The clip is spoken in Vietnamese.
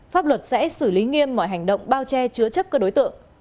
pháp luật sẽ xử lý nghiêm mọi hành động bao che chứa chấp các đối tượng